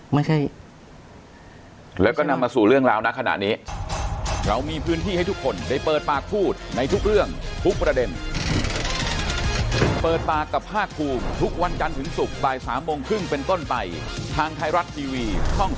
ไม่ใช่แล้วก็นำมาสู่เรื่องราวนะขณะนี้